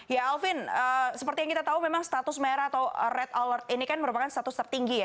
ya alvin seperti yang kita tahu memang status merah atau red alert ini kan merupakan status tertinggi ya